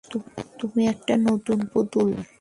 তুমি একটা নতুন পুতুল।